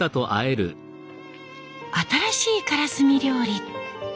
新しいからすみ料理。